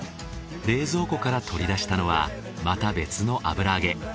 冷蔵庫から取り出したのはまた別の油揚げ。